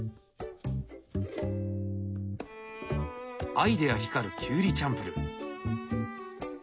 アイデア光るきゅうりチャンプルー。